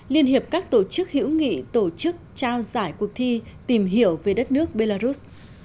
liên hiệp các tổ chức hữu nghị tổ chức trao giải cuộc thi tìm hiểu về đất nước belarus